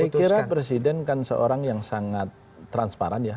saya kira presiden kan seorang yang sangat transparan ya